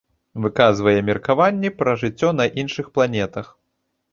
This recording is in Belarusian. Выказвае меркаванні пра жыццё на іншых планетах.